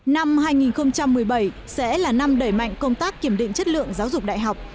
năm hai nghìn một mươi bảy sẽ là năm đẩy mạnh công tác kiểm định chất lượng giáo dục đại học